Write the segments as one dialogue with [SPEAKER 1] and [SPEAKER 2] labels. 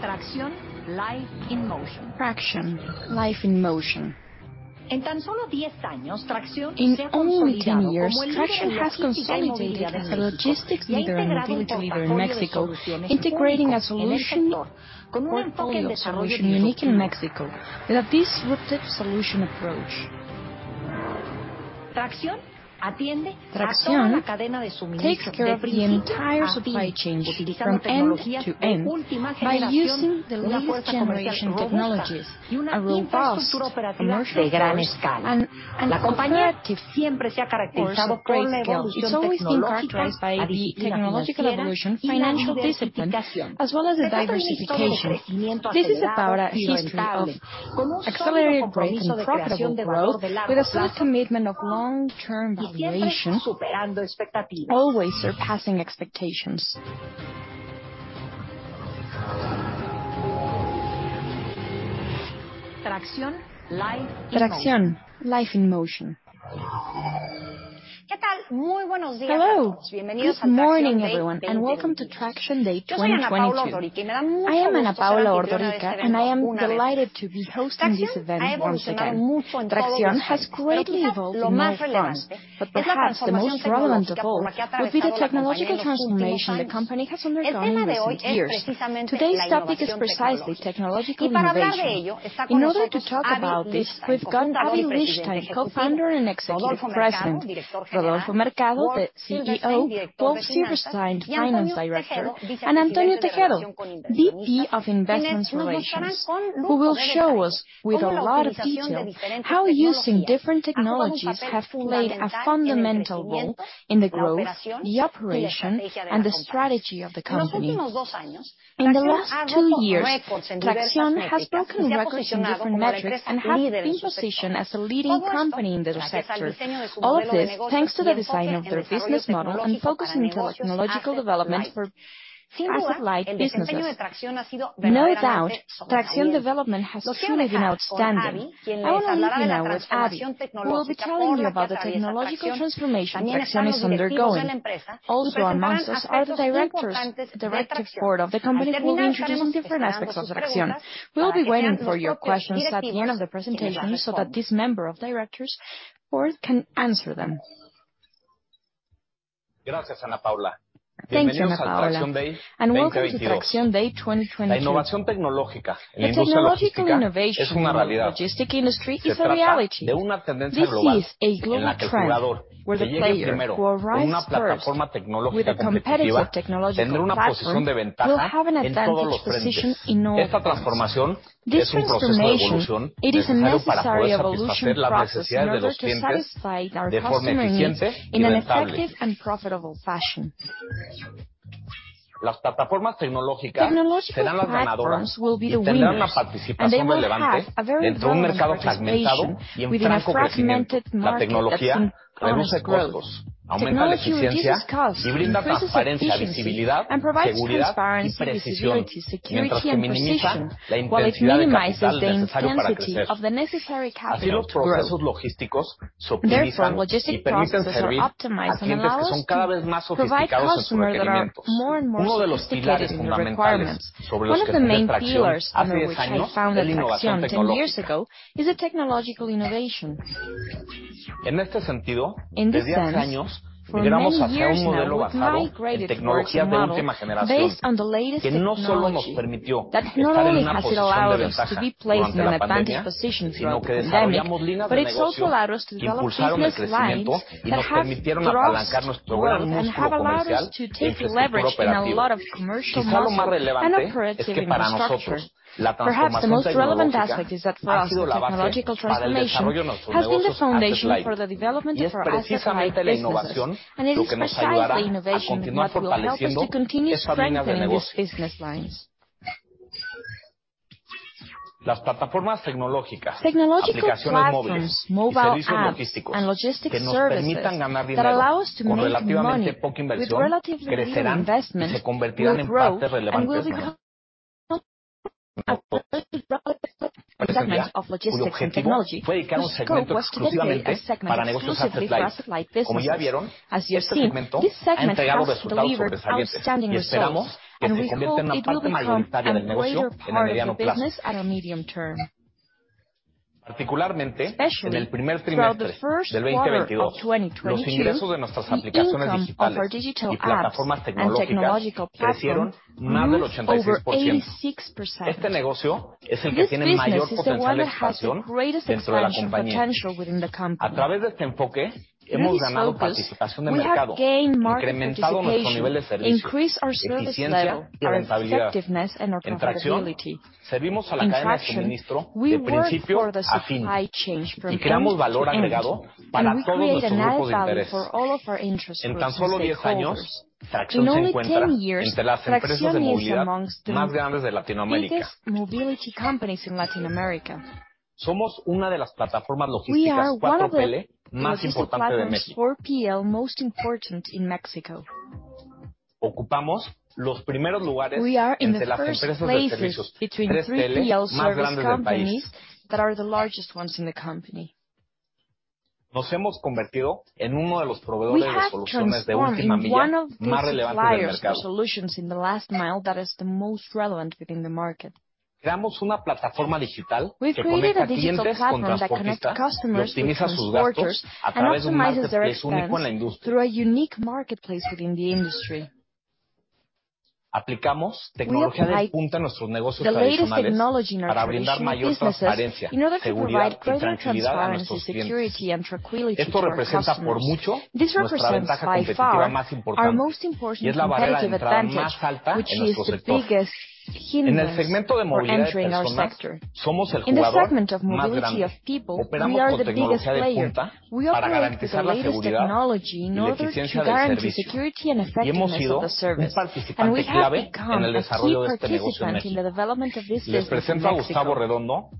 [SPEAKER 1] TRAXION, life in motion. TRAXION, life in motion. In only 10 years, TRAXION has consolidated as a logistics leader and mobility leader in Mexico, integrating a solution or full portfolio solution unique in Mexico with a disruptive solution approach. TRAXION takes care of the entire supply chain from end to end by using the latest generation technologies, a robust commercial force, and a competitive team. It's always been characterized by the technological evolution, financial discipline, as well as the diversification. This is about a history of accelerated growth and profitable growth with a solid commitment of long-term valuation, always surpassing expectations. TRAXION, life in motion.
[SPEAKER 2] Hello. Good morning, everyone, and welcome to TRAXION Day 2022. I am Ana Paula Ordorica, and I am delighted to be hosting this event once again. TRAXION has greatly evolved in many fronts, but perhaps the most relevant of all would be the technological transformation the company has undergone in recent years. Today's topic is precisely technological innovation. In order to talk about this, we've got Aby Lijtszain, Co-Founder and Executive President, Rodolfo Mercado, the CEO, Wolf Silverstein, Finance Director, and Antonio Tejedo, VP of Investor Relations, who will show us with a lot of detail how using different technologies have played a fundamental role in the growth, the operation, and the strategy of the company. In the last two years, TRAXION has broken records in different metrics and has been positioned as a leading company in the sector. All of this thanks to the design of their business model and focus on technological developments for asset-light businesses. No doubt, TRAXION development has truly been outstanding. I will leave you now with Aby, who will be telling you about the technological transformation TRAXION is undergoing. Also among us are the Board of Directors of the company, who will be introducing different aspects of TRAXION. We will be waiting for your questions at the end of the presentation so that these members of the Board of Directors can answer them.
[SPEAKER 3] Thank you, Ana Paula, and welcome to TRAXION Day 2022. The technological innovation in the logistics industry is a reality. This is a global trend where the player who arrives first with a competitive technological platform will have an advantage position in all fronts. This transformation, it is a necessary evolution process in order to satisfy our customer needs in an effective and profitable fashion. Technological platforms will be the winners, and they will have a very relevant participation within a fragmented market that's in current growth. Technology reduces costs, increases efficiency, and provides transparency, security, and precision, while it minimizes the intensity of the necessary capital to grow. Therefore, logistics processes are optimized and allow us to provide customers that are more and more sophisticated in their requirements. One of the main pillars under which I founded TRAXION 10 years ago is the technological innovation. In this sense, for many years now, we've migrated to a virtual model based on the latest technology that not only has it allowed us to be placed in an advantage position throughout the pandemic, but it's also allowed us to develop business lines that have drove growth and have allowed us to take leverage in a lot of commercial muscle and operative infrastructure. Perhaps the most relevant aspect is that for us the technological transformation has been the foundation for the development of our asset-light businesses, and it is precisely innovation that will help us to continue strengthening these business lines. Technological platforms, mobile apps, and logistics services that allow us to make money with relatively little investment will grow and will become of Logistics and Technology, whose scope was to dedicate a segment exclusively for asset-light businesses. As you have seen, this segment has delivered outstanding results, and we hope it will become a greater part of business at a medium term. Particularly, throughout Creamos una plataforma digital.
[SPEAKER 4] We've created a digital platform.
[SPEAKER 3] Que conecta clientes con transportistas y optimiza sus gastos a través de un marketplace único en la industria.
[SPEAKER 4] That connects customers with transporters and optimizes their expense through a unique marketplace within the industry.
[SPEAKER 3] Aplicamos tecnología de punta a nuestros negocios tradicionales para brindar mayor transparencia, seguridad y tranquilidad a nuestros clientes.
[SPEAKER 4] We apply the latest technology in our traditional businesses in order to provide greater transparency, security, and tranquility to our customers.
[SPEAKER 3] Esto representa por mucho nuestra ventaja competitiva más importante y es la barrera de entrada más alta en nuestro sector.
[SPEAKER 4] This represents by far our most important competitive advantage, which is the biggest hindrance for entering our sector.
[SPEAKER 3] En el segmento de movilidad de personas, somos el jugador más grande.
[SPEAKER 4] In the People Mobility segment, we are the biggest player.
[SPEAKER 3] Operamos con tecnología de punta para garantizar la seguridad y la eficiencia del servicio y hemos sido un participante clave en el desarrollo de este negocio en México.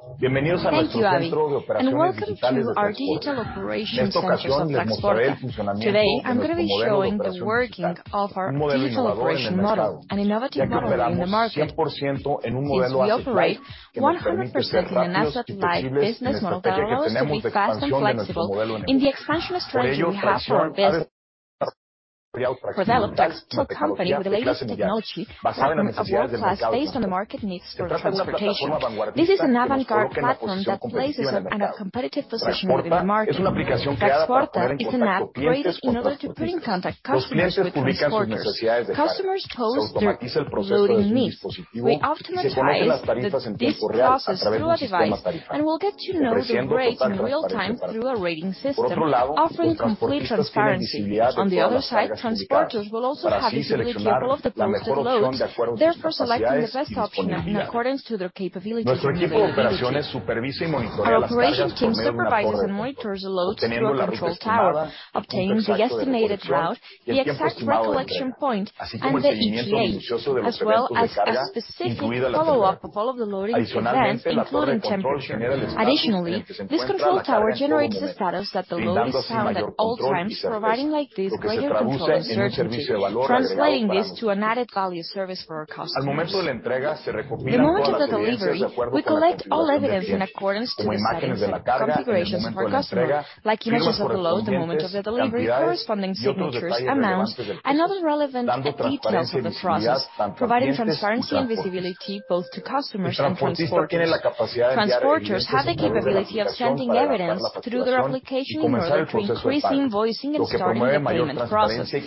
[SPEAKER 4] Thank you, Aby, and welcome to our digital operations center of Traxporta.
[SPEAKER 5] En esta ocasión, les mostraré el funcionamiento de nuestro modelo de operaciones digital, un modelo innovador en el mercado, ya que operamos 100% en un modelo as a service que nos permite ser rápidos y flexibles en la estrategia que tenemos de expansión en nuestro modelo de negocio.
[SPEAKER 4] Today, I'm gonna be showing the working of our digital operation model, an innovative model in the market. We operate 100% in an as a service-like business model that allows us to be fast and flexible in the expansion strategy we have for our business. and certainty, translating this to an added value service for our customers.
[SPEAKER 5] Al momento de la entrega, se recopilan todas las evidencias de acuerdo con la configuración del cliente, como imágenes de la carga en el momento de la entrega, firmas correspondientes, cantidades y otros detalles relevantes del proceso, dando transparencia y visibilidad tanto a clientes como transportistas.
[SPEAKER 4] The moment of the delivery, we collect all evidence in accordance to the settings configurations of our customer, like images of the load, the moment of the delivery, corresponding signatures, amount, and other relevant details of the process, providing transparency and visibility both to customers and transporters.
[SPEAKER 5] El transportista tiene la capacidad de enviar evidencia de manera directa para apoyar la facturación y comenzar el proceso de pago, lo que promueve mayor transparencia y confiabilidad entre ambas partes.
[SPEAKER 4] Transporters have the capability of sending evidence through their application in order to increase invoicing and starting the payment process,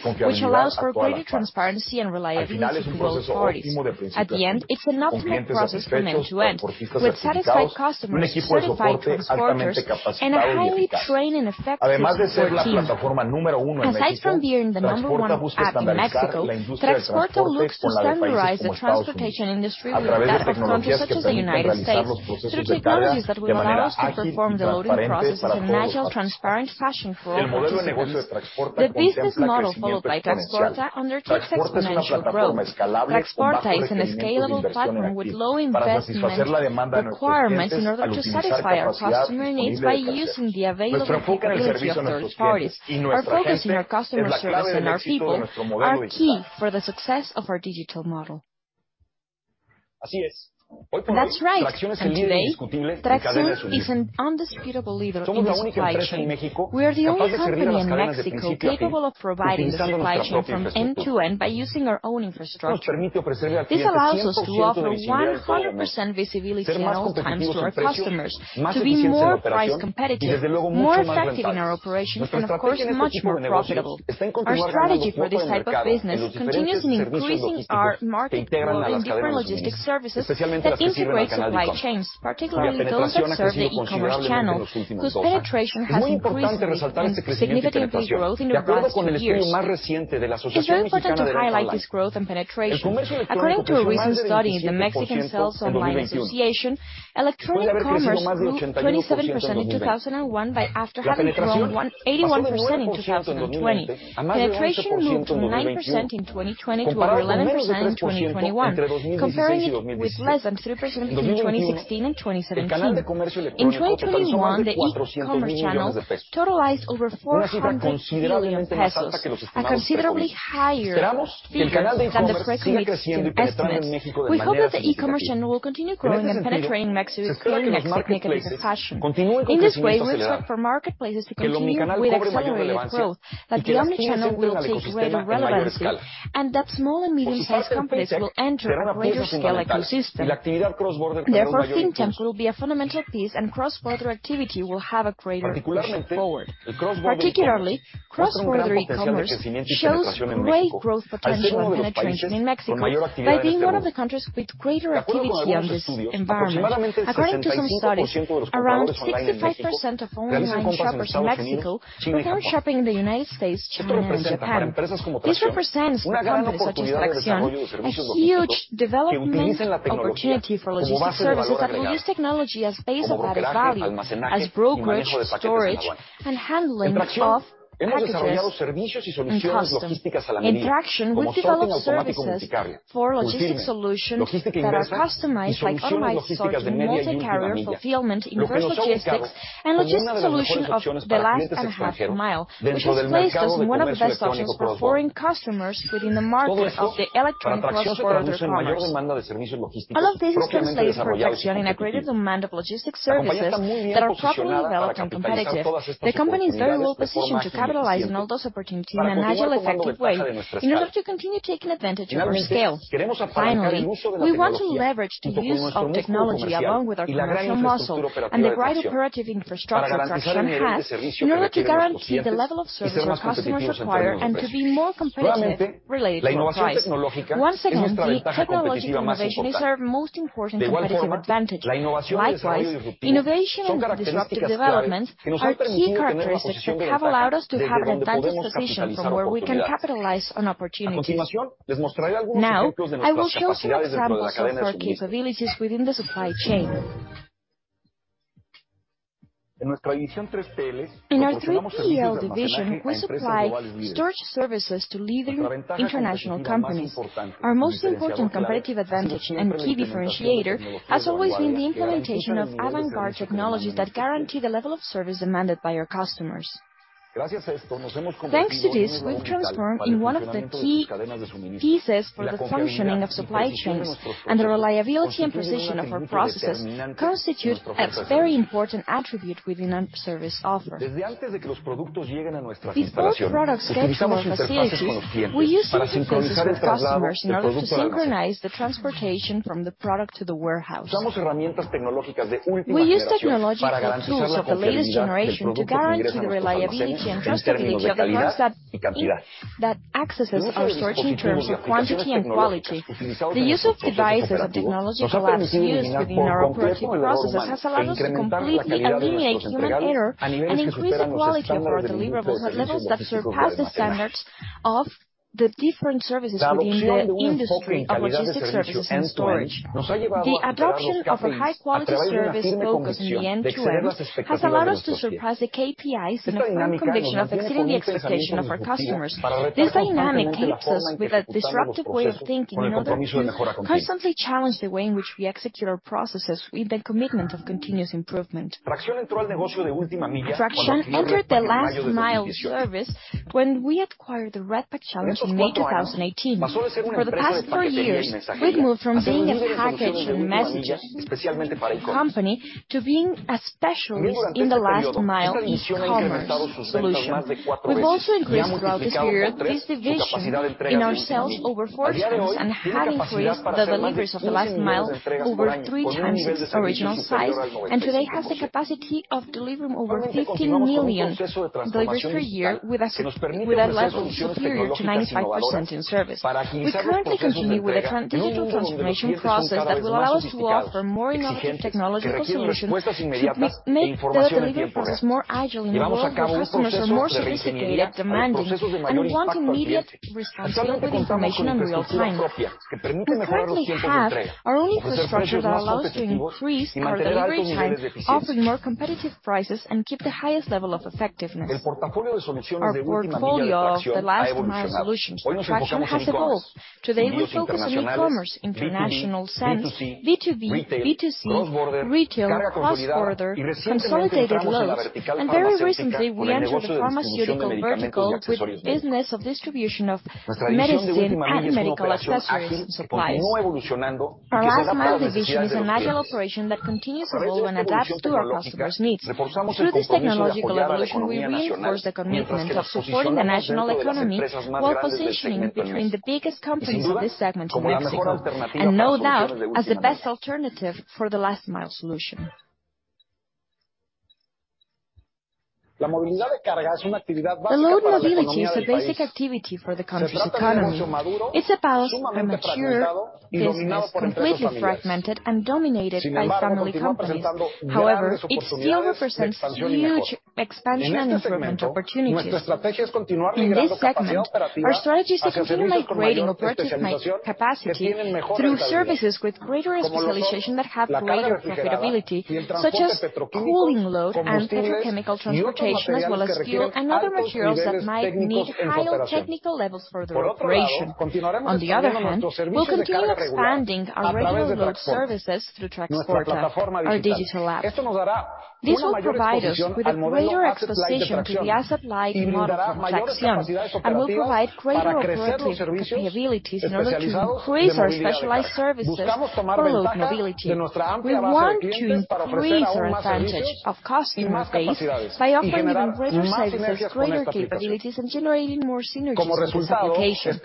[SPEAKER 4] undertakes exponential growth. Traxporta is a scalable platform with low investment requirements in order to satisfy our customer needs by using the available capability of third parties.
[SPEAKER 5] Nuestro enfoque en el servicio a nuestros clientes y nuestra gente es la clave del éxito de nuestro modelo digital. Así es. Hoy por hoy, TRAXION es el líder indiscutible en cadena de suministro.
[SPEAKER 4] electronic commerce grew 27% in 2021 but after having grown 180% in 2020. Penetration moved from 9% in 2020 to 11% in 2021, comparing it with less than 3% between 2016 and 2017.
[SPEAKER 5] En 2021, el canal de comercio electrónico totalizó más de 400 mil millones de pesos, una cifra considerablemente más alta que los estimados inicialmente. Esperamos que el canal de comercio electrónico siga creciendo y penetrando en México de manera significativa. En ese sentido, se espera que los marketplaces continúen con crecimiento acelerado.
[SPEAKER 4] In 2021, the e-commerce channel totalized over MXN 400 billion, a considerably higher figure than the predicted estimates. We hope that the e-commerce channel will continue growing and penetrating Mexico According to some studies, around 65% of online shoppers in Mexico perform shopping in the United States, China, and Japan.
[SPEAKER 5] Esto representa para empresas como TRAXION una grande oportunidad de desarrollo de servicios logísticos que utilicen la tecnología como base de valor agregado, como brokerage, almacenaje y manejo de paquetes en aduana.
[SPEAKER 4] This represents for companies such as TRAXION a huge development opportunity for logistics services that use technology as basis of added value, as brokerage, storage, and handling of have an advanced position from where we can capitalize on opportunities. Now, I will show you examples of our capabilities within the supply chain. In our 3PL division, we supply storage services to leading international companies. Our most important competitive advantage and key differentiator has always been the implementation of avant-garde technologies that guarantee the level of service demanded by our customers.
[SPEAKER 5] Thanks to this, we've transformed in one of the key pieces for the functioning of supply chains, and the reliability and precision of our processes constitute a very important attribute within our service offer. Before products get to our facilities, we use interfaces with customers in order to synchronize the transportation from the product to the warehouse. We use technological tools of the latest generation to guarantee the reliability and trustability of the products that accesses our storage in terms of quantity and quality. The use of devices or technological apps used within our operating processes has allowed us to completely eliminate human error and increase the quality of our deliverables at levels that surpass the standards of the different services within the industry of logistics services and storage. The adoption of a high-quality service focused on the end-to-end has allowed us to surpass the KPIs in a firm conviction of exceeding the expectation of our customers. This dynamic keeps us with a disruptive way of thinking in order to constantly challenge the way in which we execute our processes with the commitment of continuous improvement. TRAXION entered the last-mile service when we acquired Redpack in May 2018. For the past four years, we've moved from being a package and messenger company to being a specialist in the last-mile e-commerce solution. We've also increased throughout this period this division's sales over four times and have increased the deliveries of the last mile over three times its original size. Today, it has the capacity of delivering over 15 million deliveries per year with a service level superior to 95% in service. We currently continue with a digital transformation process that will allow us to offer more innovative technological solutions to make the delivery process more agile in a world where customers are more sophisticated, demanding, and want immediate responses with information in real time. We currently have our own infrastructure that allows to increase our delivery time, offer more competitive prices, and keep the highest level of effectiveness. Our portfolio of the last-mile solutions. TRAXION has evolved. Today, we focus on e-commerce, international sends, B2B, B2C, retail, cross-border, consolidated loads, and very recently, we entered the pharmaceutical vertical with business of distribution of medicine and medical accessories and supplies. Our last-mile division is an agile operation that continues to evolve and adapt to our customers' needs. Through this technological evolution, we reinforce the commitment of supporting the national economy while positioning between the biggest companies in this segment in Mexico, and no doubt, as the best alternative for the last-mile solution. Cargo mobility is a basic activity for the country's economy. It's a mature business, completely fragmented and dominated by family companies. However, it still represents huge expansion and improvement opportunities. In this segment, our strategy is to continue upgrading participant capacity through services with greater specialization that have greater profitability, such as cooling load and petrochemical transportation, as well as steel and other materials that might need higher technical levels for their operation. On the other hand, we'll continue expanding our regular load services through Traxporta, our digital app. This will provide us with a greater exposition to the asset-light model of TRAXION and will provide greater operative capabilities in order to increase our specialized services for Cargo Mobility. We want to increase our advantage of customer base by offering them new services with greater capabilities and generating more synergies with this application.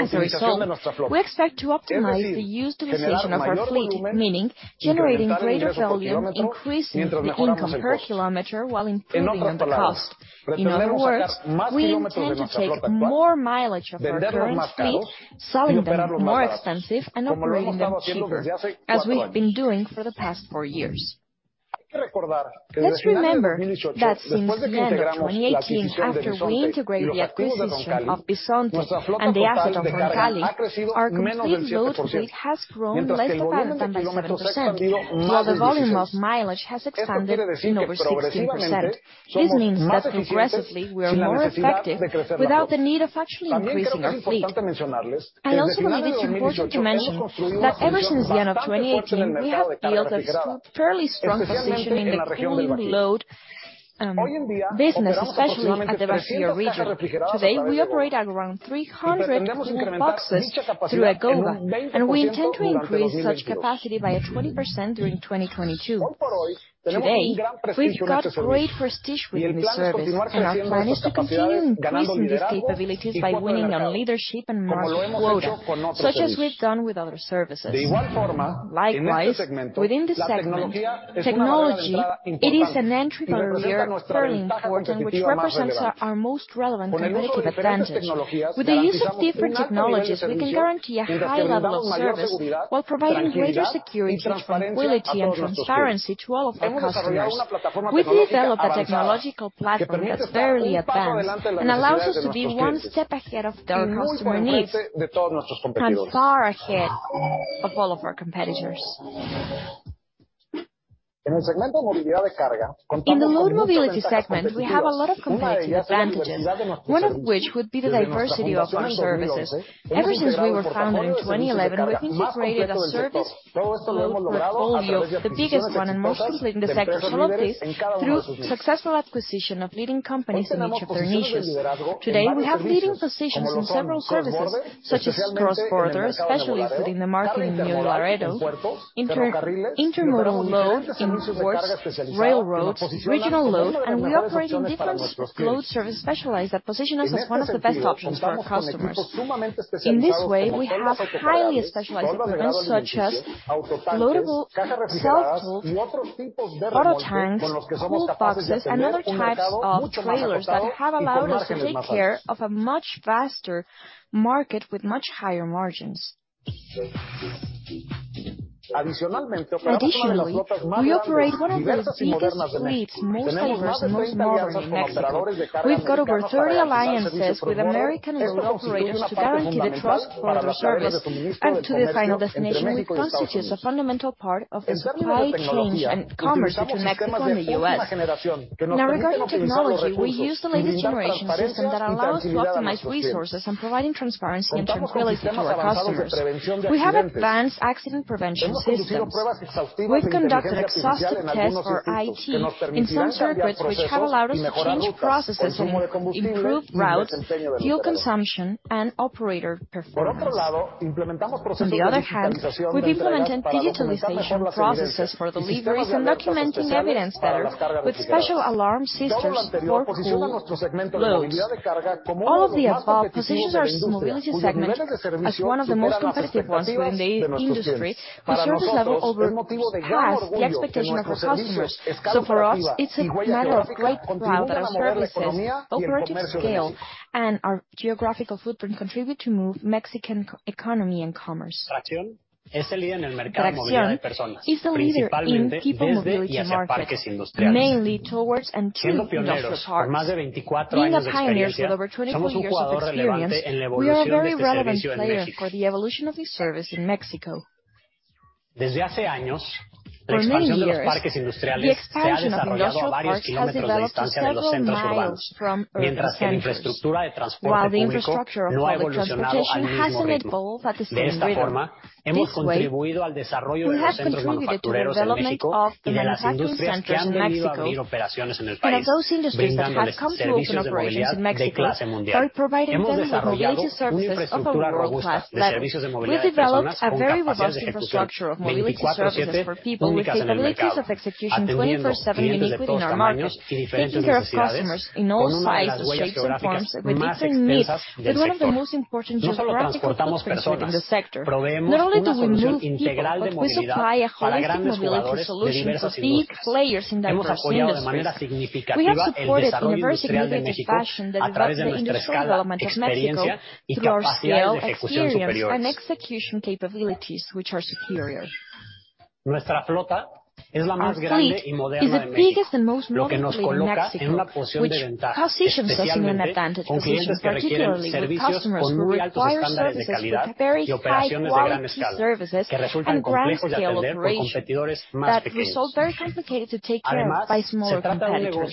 [SPEAKER 5] As a result, we expect to optimize the utilization of our fleet, meaning generating greater volume, increasing the income per kilometer while improving on the cost. In other words, we intend to take more mileage of our current fleet, selling them more expensive and operating them cheaper, as we've been doing for the past four years. Let's remember that since January 2018, after we integrated the acquisition of Bisonte and the asset of Roncalli, our complete load fleet has grown less than by 7%, while the volume of mileage has expanded in over 16%. This means that progressively, we are more effective without the need of actually increasing our fleet. Also believe it's important to mention that ever since the end of 2018, we have built a fairly strong position in the cooling load business, especially at the Mexico region. Today, we operate at around 300 cooling boxes through Egoba, and we intend to increase such capacity by 20% during 2022. Today, we've got great prestige within this service, and our plan is to continue increasing these capabilities by winning on leadership and market quota, such as we've done with other services. Likewise, within this segment, technology, it is an entry barrier fairly important, which represents our most relevant competitive advantage. With the use of different technologies, we can guarantee a high level of service while providing greater security, tranquility, and transparency to all of our customers. We've developed a technological platform that's fairly advanced and allows us to be one step ahead of the customer needs and far ahead of all of our competitors. In the Cargo Mobility segment, we have a lot of competitive advantages, one of which would be the diversity of our services. Ever since we were founded in 2011, we've integrated a service portfolio, the biggest one and most complete in the sector. All of this through successful acquisition of leading companies in each of their niches. Today, we have leading positions in several services, such as cross-border, especially within the market in Laredo, intermodal load in ports, railroads, regional load, and we operate in different specialized load services that position us as one of the best options for our customers. In this way, we have highly specialized equipment such as loadable, self-move, auto tanks, cool boxes, and other types of trailers that have allowed us to take care of a much vaster market with much higher margins. Additionally, we operate one of the biggest fleets, most diverse, and most modern in Mexico. We've got over 30 alliances with American road operators to guarantee the trust for their service and to the final destination, which constitutes a fundamental part of the supply chain and commerce between Mexico and the U.S. Now regarding technology, we use the latest generation system that allows us to optimize resources and providing transparency and tranquility to our customers. We have advanced accident prevention systems. We've conducted exhaustive tests for IT in some circuits, which have allowed us to change processes and improve routes, fuel consumption, and operator performance. On the other hand, we've implemented digitization processes for deliveries and documenting evidence better with special alarm systems for cool loads. All of the above positions our Cargo Mobility segment as one of the most competitive ones within the industry. The service level surpasses the expectations of our customers. For us, it's a matter of great pride that our services, operative scale, and our geographical footprint contribute to move Mexican economy and commerce. TRAXION is the leader in People Mobility market, mainly towards and to industrial parks. Being the pioneers with over 24 years of experience, we are a very relevant player for the evolution of this service in Mexico. For many years, the expansion of industrial parks has developed to several miles from urban centers, while the infrastructure of public transportation hasn't evolved at the same rhythm. This way, we have contributed to the development of manufacturing centers in Mexico, and those industries which have come to open operations in Mexico are providing them with mobility services of a world-class level. We've developed a very robust infrastructure of mobility services for people with capabilities of execution 24/7 uniquely in our market, taking care of customers in all sizes, shapes, and forms with different needs, but one of the most important geographic footprints within the sector. Not only do we move people, but we supply a holistic mobility solution to big players in diverse industries. We have supported in a very significant fashion the industrial development of Mexico through our scale, experience, and execution capabilities, which are superior. Our fleet is the biggest and most modern in Mexico, which positions us in an advantageous position, particularly with customers who require services with very high-quality services and grand-scale operations that result very complicated to take care of by smaller competitors.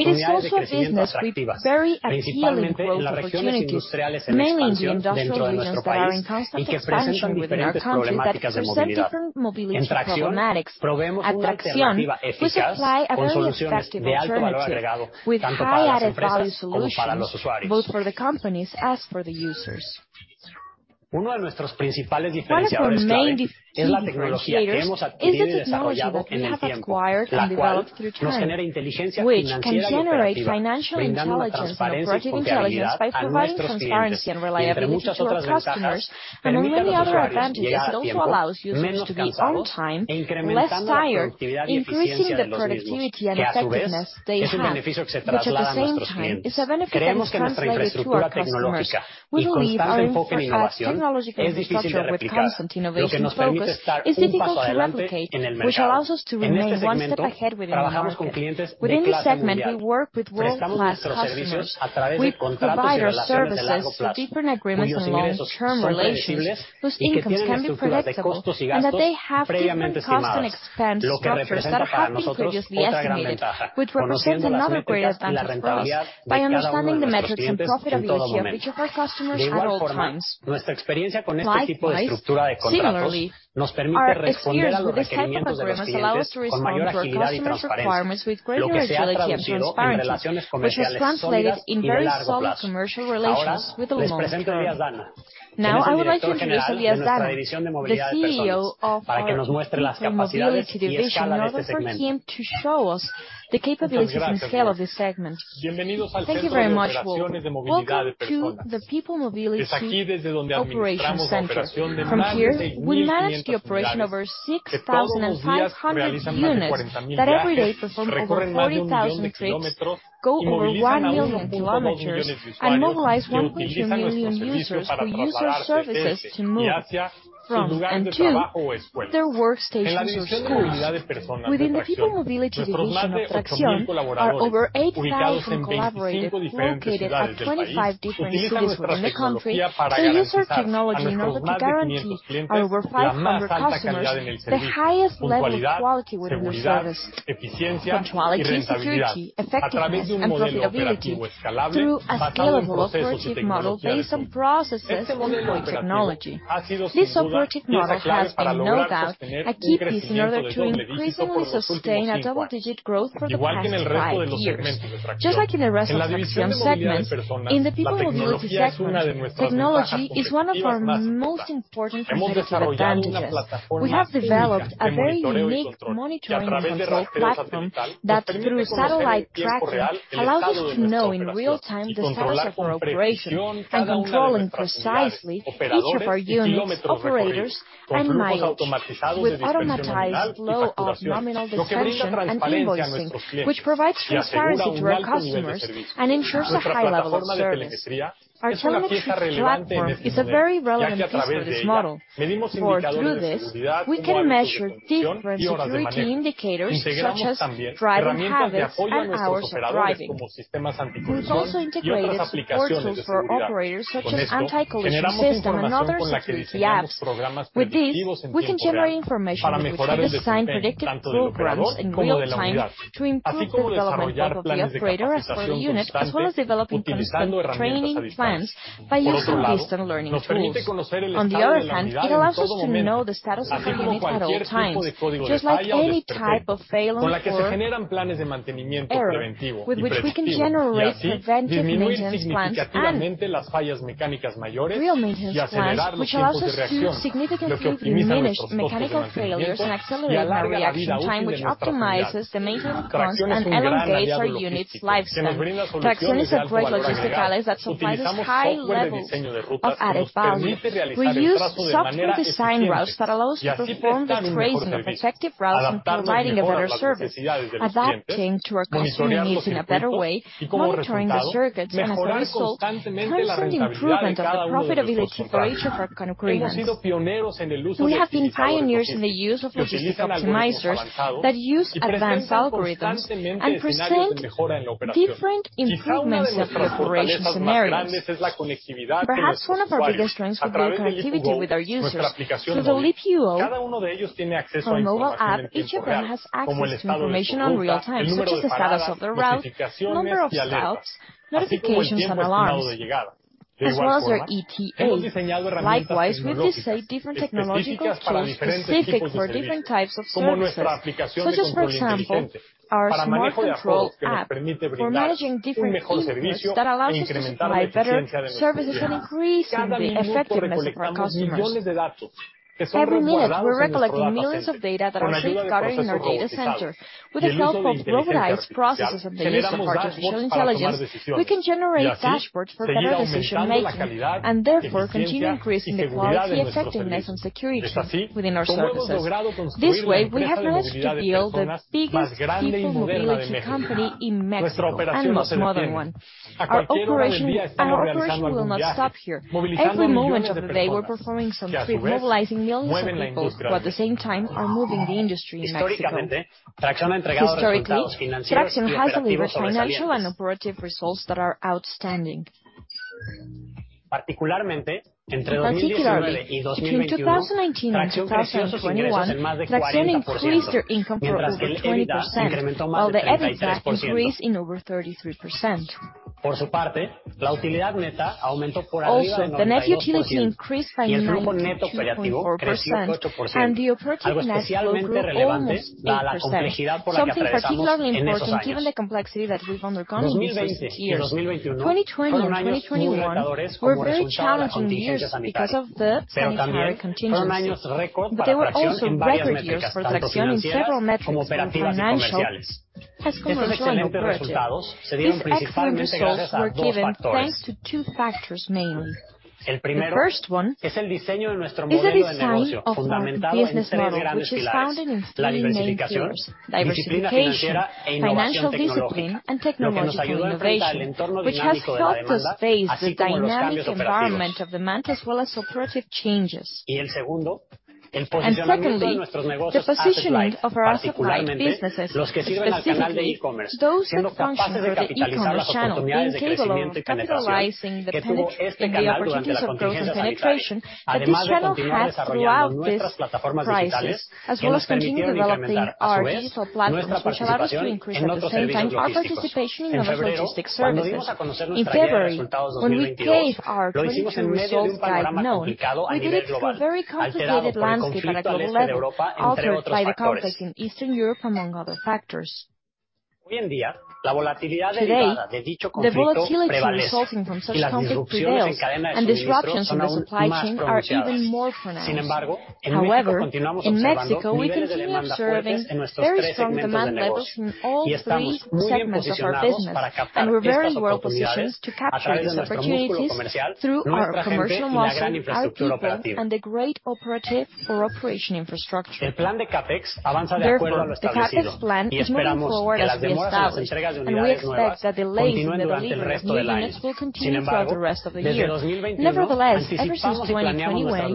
[SPEAKER 5] It is also a business with very appealing growth opportunities, mainly in the industrial regions that are in constant expansion within our country that present different mobility challenge problematics. At TRAXION, we supply a very effective alternative with high added value solutions, both for the companies as for the users. One of our main differentiators is the technology that we have acquired and developed through time, which can generate financial intelligence and operating intelligence by providing transparency and reliability to our customers, and with many other advantages, it also allows users to be on time, less tired, increasing the productivity and effectiveness they have, which at the same time is a benefit that is translated to our customers. We believe our technological infrastructure with constant innovation focus is difficult to replicate, which allows us to remain one step ahead within the market. Within this segment, we work with world-class customers. We provide our services through different agreements and long-term relations, whose incomes can be predictable and that they have different cost and expense structures that have been previously estimated, which represents another great advantage for us by understanding the metrics and profitability of each of our customers at all times. Likewise, similarly, our experience with this type of customers allow us to respond to our customers' requirements with greater agility and transparency, which has translated in very solid commercial relations with the long term. Now, I would like to introduce Elias Dana, the CEO of our People Mobility division in order for him to show us the capabilities and scale of this segment.
[SPEAKER 6] Thank you very much all. Welcome to the People Mobility operations center. From here, we manage the operation of our 6,500 units that every day perform over 40,000 trips, go over 1 million km, and mobilize 1.2 million users who use our services to move from and to their workstations or schools. Within the People Mobility division of TRAXION are over 8,000 collaborators located at 25 different cities in the country. They use our technology in order to guarantee our over 500 customers the highest level of quality within their service. Punctuality, security, effectiveness, and profitability through a scalable operative model based on processes and point technology. This operative model has been, no doubt, a key piece in order to increasingly sustain a double-digit growth for the past five years. Just like in the rest of TRAXION segments, in the People Mobility segment, technology is one of our most important competitive advantages. We have developed a very unique monitoring and control platform that, through satellite tracking, allows us to know in real-time the status of our operations and controlling precisely each of our units, operators, and mileage with automated flow of anomaly detection and invoicing, which provides transparency to our customers and ensures a high level of service. Our telematics platform is a very relevant piece for this model. For through this, we can measure different security indicators, such as driving habits and hours of driving. We've also integrated support tools for our operators, such as anti-collision system and other security apps. With this, we can generate information with which we design predictive programs in real time to improve the development of the operator as well as the unit, as well as developing constant training plans by using distance learning tools. On the other hand, it allows us to know the status of our units at all times, just like any type of failure or error, with which we can generate preventive maintenance plans and real-time maintenance plans, which allows us to significantly diminish mechanical failures and accelerate our reaction time, which optimizes the maintenance costs and extends our units' lifespan. TRAXION is a great logistics ally that provides us high levels of added value. We use software design routes that allows to perform the tracing of effective routes and providing a better service, adapting to our customer needs in a better way, monitoring the circuits, and as a result, constant improvement of the profitability for each of our customers. We have been pioneers in the use of logistics optimizers that use advanced algorithms and present different improvements of the operation scenarios. Perhaps one of our biggest strengths would be the connectivity with our users through the LiPU, our mobile app. Each of them has access to information in real time, such as the status of the route, number of stops, notifications, and alarms, as well as their ETA. Likewise, we've designed different technological tools specific for different types of services, such as, for example, our smart control app for managing different teams that allows us to provide better services and increasingly effectiveness for our customers. Every minute, we're collecting millions of data that are being gathered in our data center. With the help of globalized processes of data and artificial intelligence, we can generate dashboards for better decision-making, and therefore, continue increasing the quality, effectiveness, and security within our services. This way, we have managed to build the biggest People Mobility company in Mexico, and most modern one. Our operation will not stop here. Every moment of the day, we're performing some trip, mobilizing millions of people who at the same time are moving the industry in Mexico. Historically, TRAXION has delivered financial and operative results that are outstanding. Particularly, between 2019 and 2021, TRAXION increased their income for over 20%, while the EBITDA increased in over 33%. Also, the net utility increased by 92.4%, and the operating net flow grew almost 8%. Something particularly important, given the complexity that we've undergone through these years. 2020 and 2021 were very challenging years because of the pandemic contingencies. They were also record years for TRAXION in several metrics, both financial, commercial, and operative. These excellent results were given thanks to two factors mainly. The first one is the design of our business model, which is founded in three main pillars: diversification, financial discipline, and technological innovation, which has helped us face the dynamic environment of demand, as well as operative changes. Secondly, the positioning of our supply businesses, specifically those that function through the e-commerce channel, including, and capitalizing the potential and the opportunities of growth and penetration that this channel had throughout this crisis, as well as continuing developing our digital platforms, which allowed us to increase at the same time our participation in logistics services. In February, when we gave our 2022 results guidance, we did it through a very complicated landscape at a global level, altered by the conflict in Eastern Europe, among other factors. Today, the volatility resulting from such conflict prevails, and disruptions in the supply chain are even more pronounced. However, in Mexico, we continue observing very strong demand levels in all three segments of our business, and we're very well-positioned to capture these opportunities through our commercial muscle, our people, and the great operational infrastructure. Therefore, the CapEx plan is moving forward as established, and we expect that delays in the delivery of new units will continue throughout the rest of the year. Nevertheless, ever since 2020,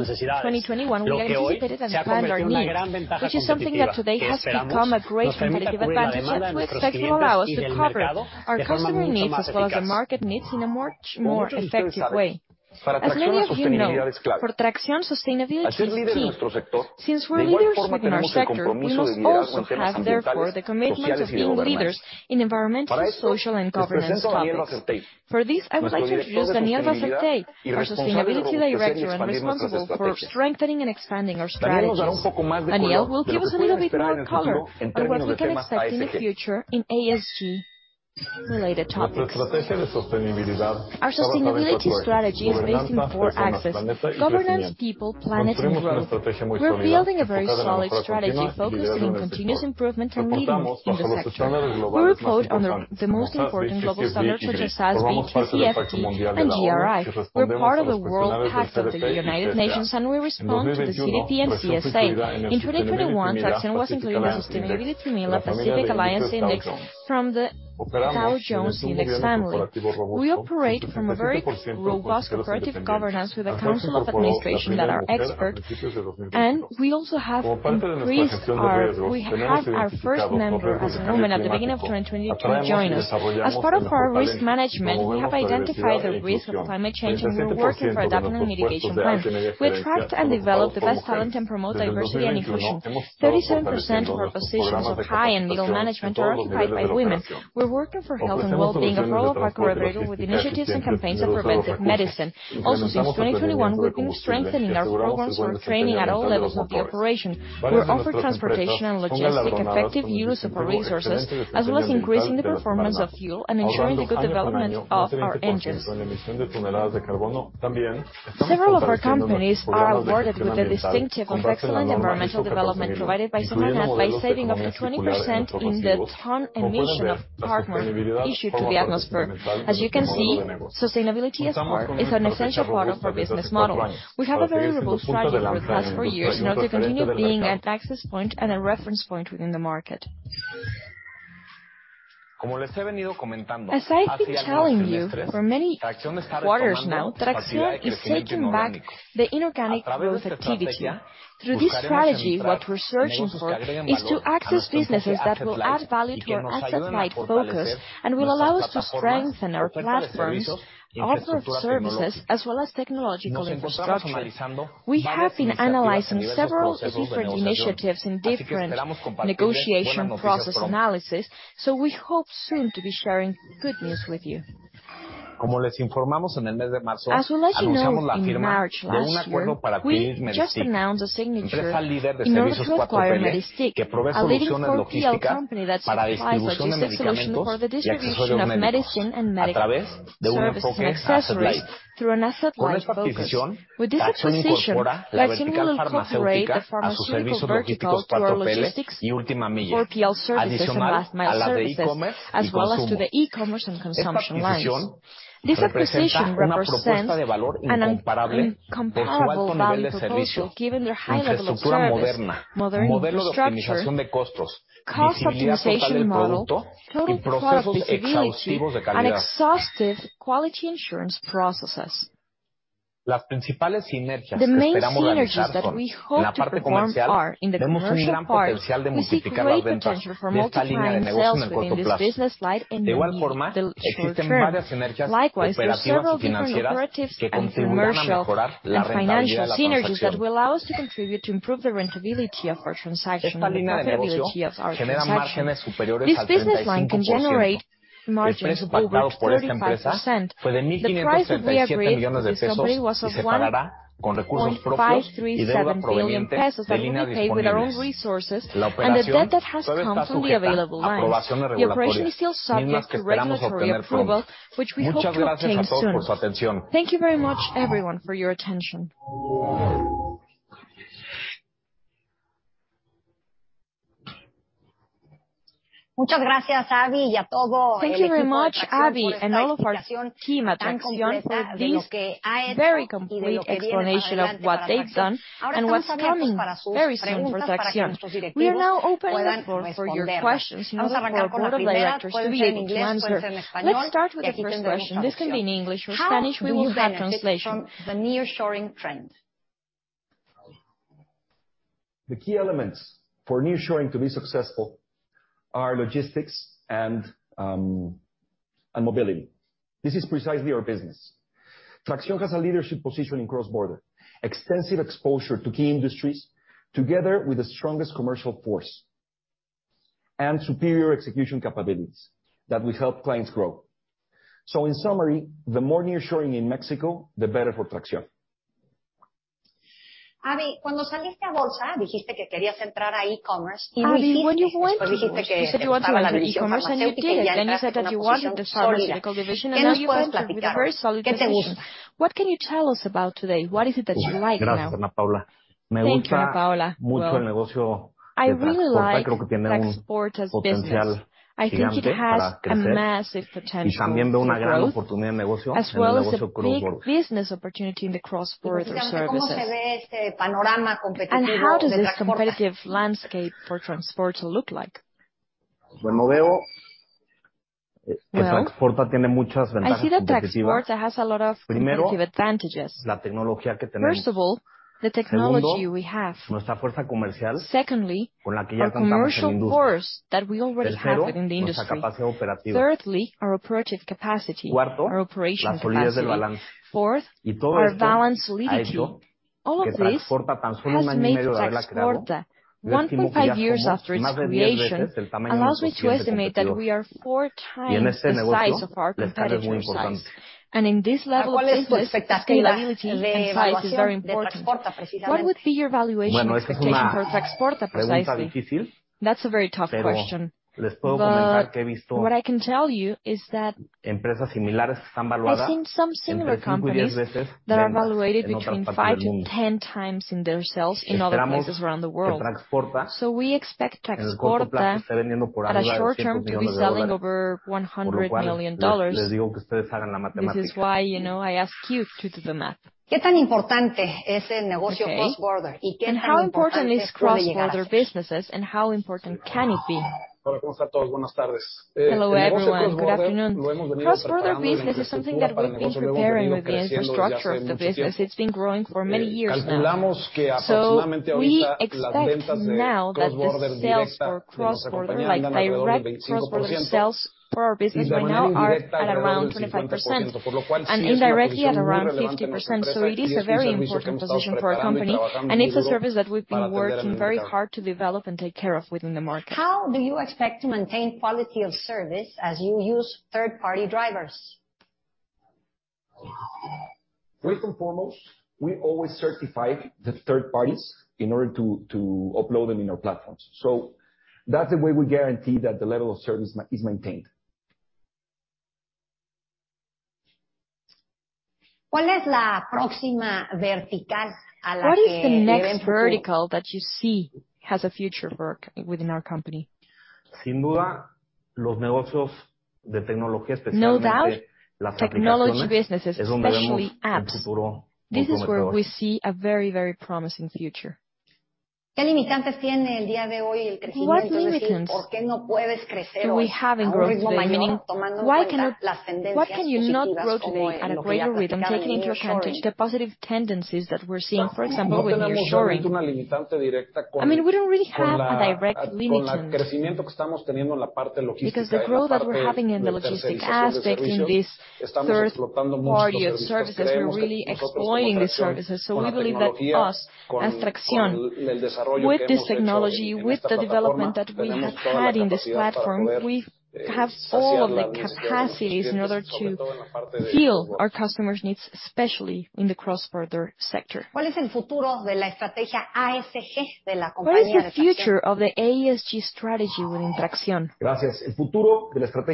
[SPEAKER 6] 2021, we've anticipated and planned our needs, which is something that today has become a great competitive advantage that we expect will allow us to cover our customer needs, as well as the market needs, in a much more effective way. As many of you know, for TRAXION, sustainability is key. Since we're leaders within our sector, we must also have therefore the commitment of being leaders in environmental, social, and governance topics. For this, I would like to introduce Daniel Wasserteil, our Sustainability Director, and responsible for strengthening and expanding our strategies. Daniel will give us a little bit more color on what we can expect in the future in ESG-related topics.
[SPEAKER 7] Our sustainability strategy is based on four axes, governance, people, planet, and group. We're building a very solid strategy focused in continuous improvement and leading in the sector. We report on the most important global standards such as SASB, TCFD, and GRI. We're part of the world Pact of the United Nations, and we respond to the CDP and CSA. In 2021, TRAXION was included in the Sustainability MILA Pacific Alliance Index from the Dow Jones Index family. We operate from a very robust corporate governance with a council of administration that are experts. We had our first member as a woman at the beginning of 2022 join us. As part of our risk management, we have identified the risk of climate change, and we're working for adaptation and mitigation plans. We attract and develop the best talent and promote diversity and inclusion. 37% of our positions of high and middle management are occupied by women. We're working for health and well-being, a proactive approach with initiatives and campaigns for preventive medicine. Also, since 2021, we've been strengthening our programs for training at all levels of the operation. We offer transportation and logistics effective use of our resources, as well as increasing the performance of fuel and ensuring the good development of our engines. Several of our companies are awarded with the distinction of excellent environmental development provided by SEMARNAT by a saving of up to 20% in ton emissions of carbon emitted to the atmosphere. As you can see, sustainability is an essential part of our business model. We have a very robust strategy over the last four years in order to continue being an access point and a reference point within the market.
[SPEAKER 3] As I've been telling you for many quarters now, TRAXION is taking back the inorganic growth activity. Through this strategy, what we're searching for is to access businesses that will add value to our asset-light focus and will allow us to strengthen our platforms, offer services, as well as technological infrastructure. We have been analyzing several different initiatives in different negotiation process analysis, so we hope soon to be sharing good news with you. As we let you know, in March last year, we just announced the signature in order to acquire Medistik, a leading 4PL company that supplies logistics solution for the distribution of medicine and medical service and accessories through an asset-light focus. With this acquisition, TRAXION will incorporate the pharmaceutical vertical to our logistics, 4PL services, and last mile services, as well as to the e-commerce and consumption lines. This acquisition represents an incomparable value proposition given their high level of service, modern infrastructure, cost optimization model, total traceability, and exhaustive quality assurance processes. The main synergies that we hope to perform are, in the commercial part, we see great potential for multiplying sales within this business line in the short term. Likewise, there are several different operational and commercial and financial synergies that will allow us to contribute to improve the profitability of our profitability of our. This business line can generate margins of over 35%. The price that we agreed for this company was of 1.537 billion pesos that will be paid with our own resources and the debt that has come from the available lines. The operation is still subject to regulatory approval, which we hope to obtain soon. Thank you very much, everyone, for your attention.
[SPEAKER 2] Thank you very much, Aby, and all of our team at TRAXION for this very complete explanation for what they've done and what's coming very soon for TRAXION. We are now opening the floor for your questions, and also for our Board of Directors to be able to answer. Let's start with the first question. This can be in English or Spanish. We will have translation. How do you benefit from the nearshoring trend?
[SPEAKER 3] The key elements for nearshoring to be successful are logistics and mobility. This is precisely our business. TRAXION has a leadership position in cross-border, extensive exposure to key industries, together with the strongest commercial force and superior execution capabilities that will help clients grow. In summary, the more nearshoring in Mexico, the better for TRAXION.
[SPEAKER 2] Aby, when you went to [Bolsa], you said you wanted to be in e-commerce, and you did. You said that you wanted the pharmaceutical division, and now you have a very solid division. What can you tell us about today? What is it that you like now?
[SPEAKER 3] Thank you, Paula. Well, I really like Traxporta's business. I think it has a massive potential to grow, as well as a big business opportunity in the cross-border services.
[SPEAKER 2] How does this competitive landscape for Traxporta look like?
[SPEAKER 3] Well, I see that Traxporta has a lot of competitive advantages. First of all, the technology we have. Secondly, our commercial force that we already have within the industry. Thirdly, our operative capacity, our operation capacity. Fourth, our balance solidity. All of this has made Traxporta, 1.5 years after its creation, allows me to estimate that we are four times the size of our competitors in size. In this level of business, scalability and size is very important.
[SPEAKER 2] What would be your valuation expectation for Traxporta precisely?
[SPEAKER 3] That's a very tough question. What I can tell you is that I've seen some similar companies that are valuated between five and 10 times in their sales in other places around the world. We expect Traxporta, at a short-term, to be selling over $100 million. This is why, you know, I ask you to do the math.
[SPEAKER 2] Okay. How important is cross-border businesses and how important can it be?
[SPEAKER 8] Hello, everyone. Good afternoon. Cross-border business is something that we've been preparing with the infrastructure of the business. It's been growing for many years now. We expect now that the sales for cross-border, like direct cross-border sales for our business right now are at around 25%, and indirectly at around 50%. It is a very important position for a company, and it's a service that we've been working very hard to develop and take care of within the market.
[SPEAKER 2] How do you expect to maintain quality of service as you use third-party drivers?
[SPEAKER 9] First and foremost, we always certify the third parties in order to upload them in our platforms. That's the way we guarantee that the level of service is maintained.
[SPEAKER 2] What is the next vertical that you see has a future work within our company?
[SPEAKER 3] No doubt, technology businesses, especially apps. This is where we see a very, very promising future.
[SPEAKER 2] What limitations do we have in growth today? Meaning, what can you not grow today at a greater rate, taking into account the positive tendencies that we're seeing, for example, with nearshoring?
[SPEAKER 3] I mean, we don't really have a direct limitation because the growth that we're having in the logistics aspect in this third-party services, we're really exploiting those services. We believe that us, as TRAXION, with this technology, with the development that we have had in this platform, we have all of the capacities in order to fill our customers' needs, especially in the cross-border sector.
[SPEAKER 2] What is the future of the ESG strategy within TRAXION?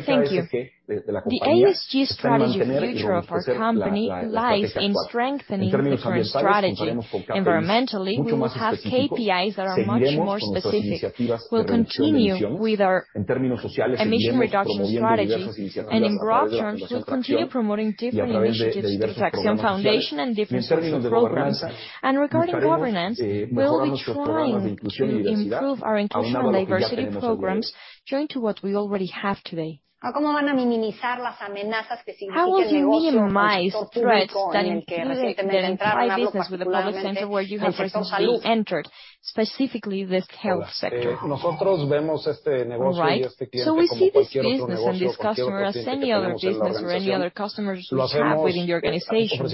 [SPEAKER 7] Thank you. The ESG strategy future of our company lies in strengthening the current strategy. Environmentally, we will have KPIs that are much more specific. We'll continue with our emission reduction strategy, and in broad terms, we'll continue promoting different initiatives to Fundación TRAXION and different social programs. Regarding governance, we'll be trying to improve our inclusion diversity programs joined to what we already have today.
[SPEAKER 2] How will you minimize the threats that include getting private business with the public sector where you have recently entered, specifically this health sector?
[SPEAKER 3] All right. We see this business and this customer as any other business or any other customers we have within the organization.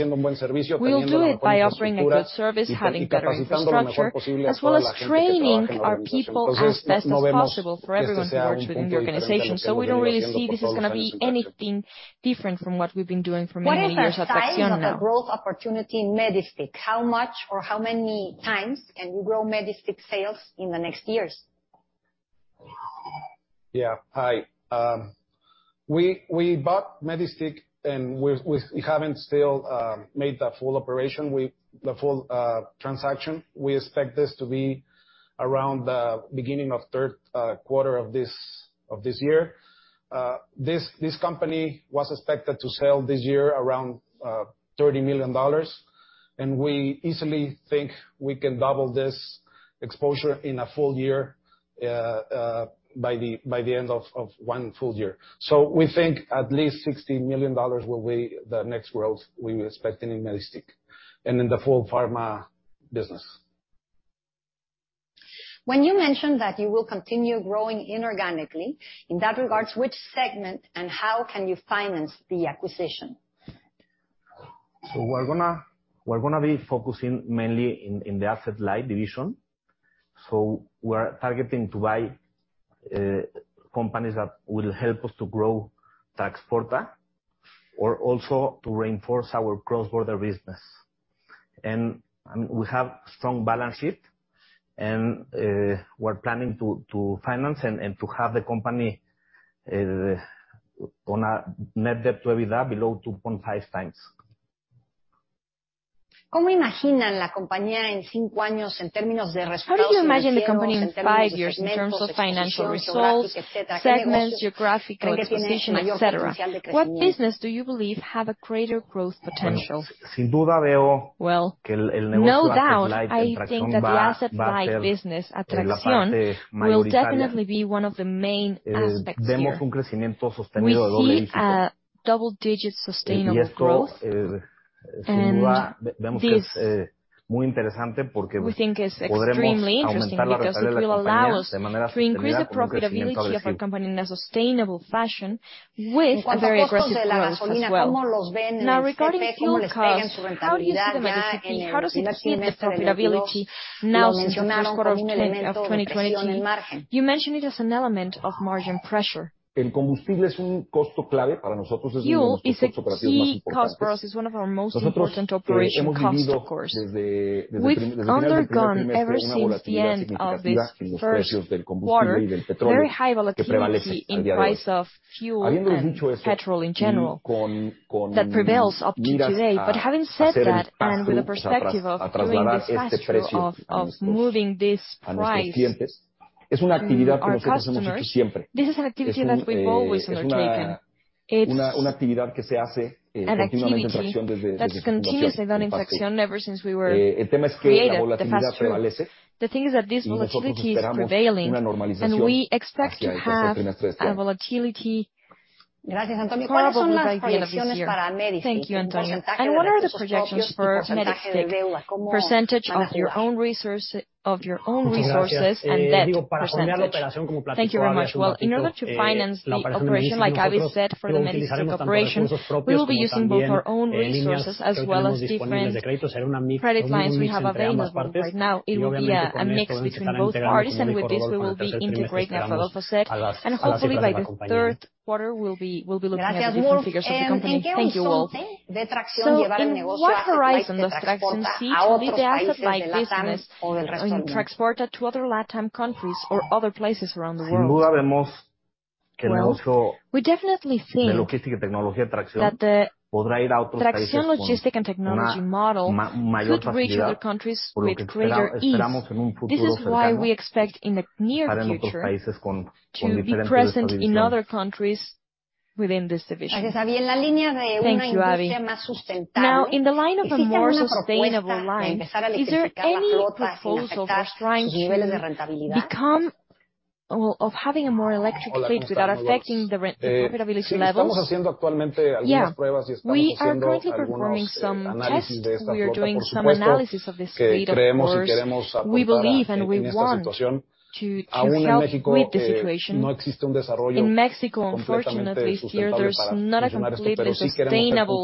[SPEAKER 3] We will do it by offering a good service, having better infrastructure, as well as training our people as best as possible for everyone who works within the organization. We don't really see this is gonna be anything different from what we've been doing for many years at TRAXION now.
[SPEAKER 2] What is the size of the growth opportunity in Medistik? How much or how many times can you grow Medistik sales in the next years?
[SPEAKER 9] Yeah. Hi. We bought Medistik and we still haven't made the full transaction. We expect this to be around the beginning of third quarter of this year. This company was expected to sell this year around $30 million, and we easily think we can double this exposure in a full year by the end of one full year. We think at least $60 million will be the next growth we were expecting in Medistik and in the full pharma business.
[SPEAKER 2] When you mentioned that you will continue growing inorganically, in that regard, which segment and how can you finance the acquisition?
[SPEAKER 9] We're gonna be focusing mainly in the asset-light division. We're targeting to buy companies that will help us to grow Traxporta or also to reinforce our cross-border business. We have strong balance sheet and we're planning to finance and to have the company on a net debt to EBITDA below 2.5x.
[SPEAKER 2] How do you imagine the company in five years in terms of financial results, segments, geographic acquisition, et cetera? What business do you believe have a greater growth potential?
[SPEAKER 3] Well, no doubt, I think that the asset-light business at TRAXION will definitely be one of the main aspects here. We see a double-digit sustainable growth. This, we think is extremely interesting because it will allow us to increase the profitability of our company in a sustainable fashion with a very high cost of goods as well.
[SPEAKER 2] Now regarding fuel costs, how do you see the? How does it hit the profitability now since the first quarter of 2022? You mentioned it as an element of margin pressure.
[SPEAKER 10] Fuel is a key cost for us. It's one of our most important operating costs, of course. We've undergone, ever since the end of this first quarter, very high volatility in price of fuel and petrol in general that prevails up to today. Having said that, and with the perspective of doing this transfer of moving this price to our customers, this is an activity that we've always undertaken. It's an activity that's continuously done in TRAXION ever since we were created. The thing is that this volatility is prevailing, and we expect to have a volatility comparable with the idea of this year.
[SPEAKER 3] Thank you, Antonio. What are the projections for Medistik? Percentage of your own resources and debt percentage. Thank you very much.
[SPEAKER 9] Well, in order to finance the operation, like Aby said, for the Medistik operation, we will be using both our own resources as well as different credit lines we have available right now. It will be a mix between both parties, and with this we will be integrating, like Rodolfo said, and hopefully by the third quarter we'll be looking at the different figures of the company.
[SPEAKER 2] Thank you, Wolf. In what horizon does TRAXION see to lead the asset-light business in Traxporta to other LATAM countries or other places around the world?
[SPEAKER 3] Well, we definitely think that the TRAXION logistics and technology model could reach other countries with greater ease. This is why we expect in the near future to be present in other countries within this division.
[SPEAKER 2] Thank you, Aby. Now, in the line of a more sustainable line, is there any proposal for trying to become. Well, of having a more electric fleet without affecting the profitability levels?
[SPEAKER 7] Yeah. We are currently performing some tests. We are doing some analysis of this fleet, of course. We believe and we want to help with the situation. In Mexico, unfortunately, here there's not a completely sustainable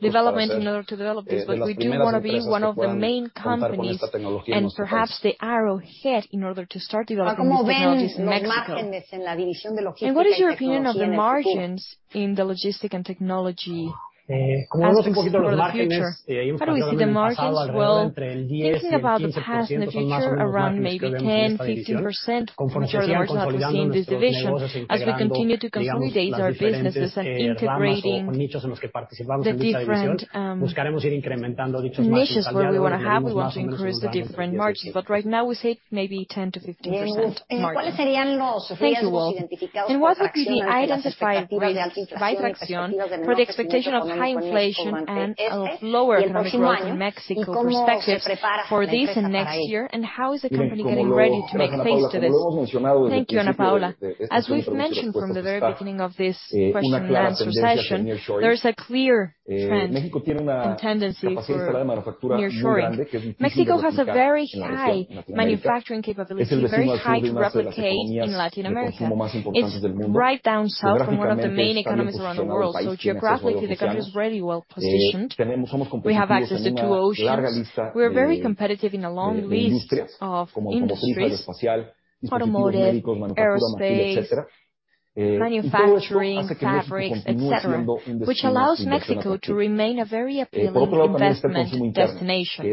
[SPEAKER 7] development in order to develop this, but we do wanna be one of the main companies, and perhaps the arrowhead, in order to start developing these technologies in Mexico.
[SPEAKER 2] What is your opinion of the margins in the logistic and technology assets for the future? How do we see the margins?
[SPEAKER 9] Well, thinking about the past and the future, around maybe 10%, 15% for sure there was not the same division. As we continue to consolidate our businesses and integrating the different, niches where we wanna have, we want to increase the different margins. Right now we say maybe 10%-15% margins.
[SPEAKER 2] Thank you, Wolf. What would be the identified risks by TRAXION for the expectation of high inflation and of lower economic growth in Mexico perspectives for this and next year? How is the company getting ready to face this?
[SPEAKER 10] Thank you, Ana Paula. As we've mentioned from the very beginning of this question and session, there is a clear trend and tendency for nearshoring. Mexico has a very high manufacturing capability, very high capacity to replicate in Latin America. It's right down south from one of the main economies around the world, so geographically the country is really well-positioned. We have access to two oceans. We are very competitive in a long list of industries, automotive, aerospace, manufacturing, fabrics, et cetera, which allows Mexico to remain a very appealing investment destination.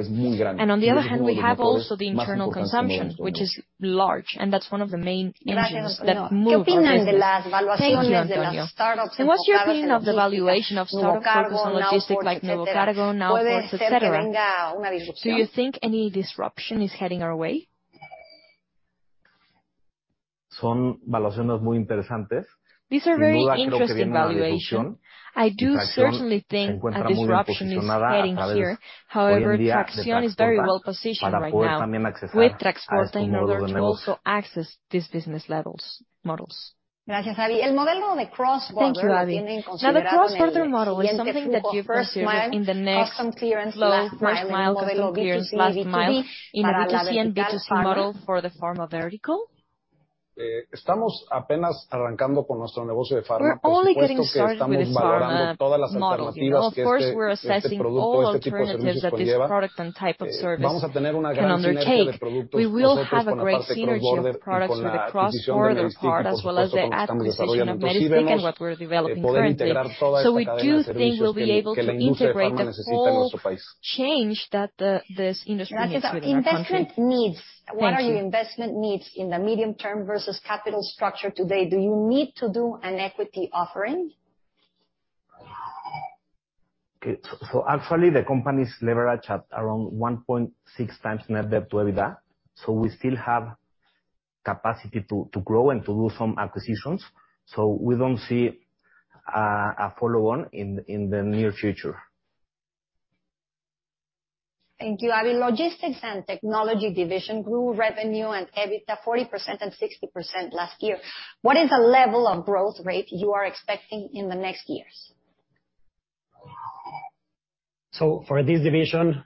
[SPEAKER 10] On the other hand, we have also the internal consumption, which is large, and that's one of the main engines that move our business.
[SPEAKER 3] Thank you, Antonio. What's your opinion of the valuation of startups focused on logistics like Nuvocargo, Nowports, et cetera? Do you think any disruption is heading our way? These are very interesting valuations. I do certainly think a disruption is heading here. However, TRAXION is very well-positioned right now with Traxporta in order to also access these business levels, models.
[SPEAKER 2] Thank you, Aby. Now, the cross-border model is something that you foresee within the next flow, first mile, customs clearance, last mile in a B2B and B2C model for the pharma vertical?
[SPEAKER 3] We're only getting started with this pharma model here. Of course, we're assessing all alternatives that this product and type of service can undertake. We will have a great synergy of products with the cross-border part, as well as the acquisition of Medistik and what we're developing currently. We do think we'll be able to integrate the full chain that this industry needs within our country.
[SPEAKER 2] Thank you. Investment needs. What are your investment needs in the medium term versus capital structure today? Do you need to do an equity offering?
[SPEAKER 3] Actually, the company's leverage at around 1.6x net debt to EBITDA, so we still have capacity to grow and to do some acquisitions. We don't see a follow-on in the near future.
[SPEAKER 2] Thank you, Aby. Logistics and Technology division grew revenue and EBITDA 40% and 60% last year. What is the level of growth rate you are expecting in the next years?
[SPEAKER 5] For this division,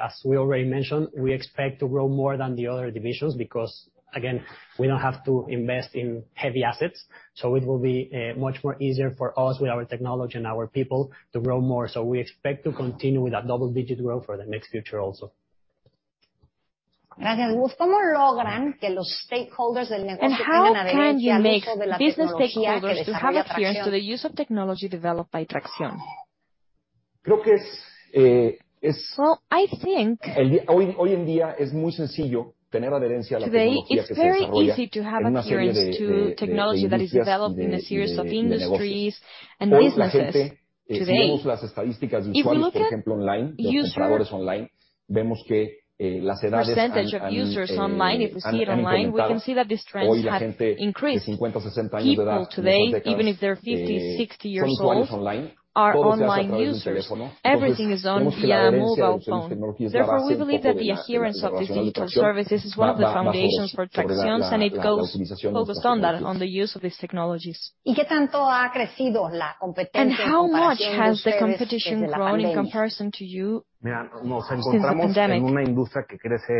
[SPEAKER 5] as we already mentioned, we expect to grow more than the other divisions because again, we don't have to invest in heavy assets, so it will be much more easier for us with our technology and our people to grow more. We expect to continue with that double-digit growth for the next future also.
[SPEAKER 2] How can you make business stakeholders to have adherence to the use of technology developed by TRAXION?
[SPEAKER 3] Well, today, it's very easy to have adherence to technology that is developed in a series of industries and businesses today. If we look at user percentage of users online, if we see it online, we can see that these trends have increased. People today, even if they're 50, 60 years old, are online users. Everything is owned via mobile phone. Therefore, we believe that the adherence of these digital services is one of the foundations for TRAXION, and it goes focused on that, on the use of these technologies.
[SPEAKER 2] How much has the competition grown in comparison to you since the pandemic?